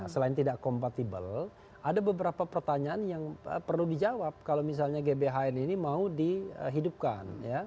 selain tidak kompatibel ada beberapa pertanyaan yang perlu dijawab kalau misalnya gbhn ini mau dihidupkan